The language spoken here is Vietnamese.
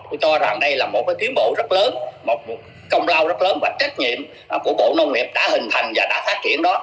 tôi cho rằng đây là một tiến bộ rất lớn một công lao rất lớn và trách nhiệm của bộ nông nghiệp đã hình thành và đã phát triển đó